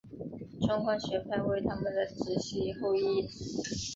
中观学派为他们的直系后裔。